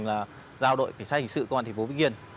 là giao đội cảnh sát hình sự công an thành phố vĩnh yên